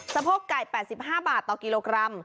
โพกไก่๘๕บาทต่อกิโลกรัม